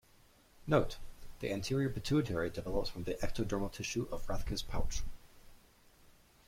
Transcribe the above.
Note: The anterior pituitary develops from the ectodermal tissue of Rathke's pouch.